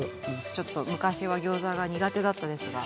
ちょっと昔はギョーザが苦手だったですが。